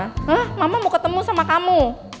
hah mama mau ketemu sama kamu